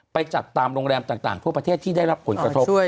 ไปจัดตามโรงแรมต่างทั่วประเทศที่ได้รับผลกระทบ